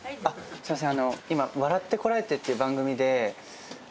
すいません。